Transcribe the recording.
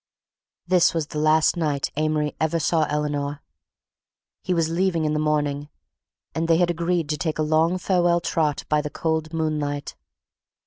This was the last night Amory ever saw Eleanor. He was leaving in the morning and they had agreed to take a long farewell trot by the cold moonlight.